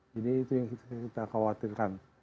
itu yang kita khawatirkan